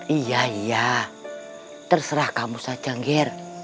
iya iya terserah kamu saja ngir